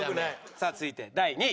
さあ続いて第２位。